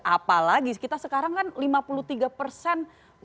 apalagi kita sekarang kan lima puluh tiga persen